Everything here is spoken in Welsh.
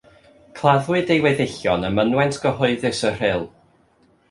Claddwyd ei weddillion ym mynwent gyhoeddus y Rhyl.